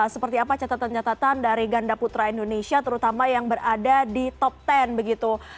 seperti apa catatan catatan dari ganda putra indonesia terutama yang berada di top sepuluh begitu